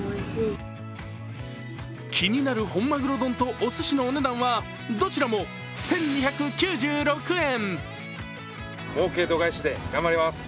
気になる本マグロ丼とおすしのお値段はどちらも１２９６円。